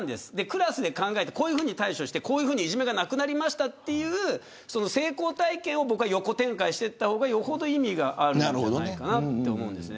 クラスで考えて、こう対処してこういうふうにいじめがなくなりましたという成功体験を横展開していった方がよほど意味があるんじゃないかなと思うんです。